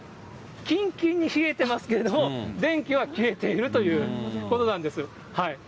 きんきんに冷えてますけれども、電気は消えているということなんです。